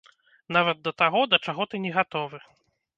Нават да таго, да чаго ты не гатовы!